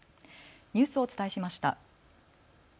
ニュースをお伝えしました。